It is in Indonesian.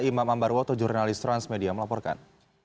imam ambarwoto jurnalis transmedia melaporkan